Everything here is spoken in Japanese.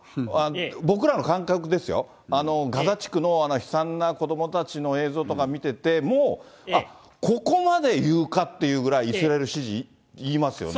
僕らの感覚ですよ、ガザ地区の悲惨な子どもたちの映像とか見てても、あっ、ここまで言うかっていうぐらいイスラエル支持、言いますよね。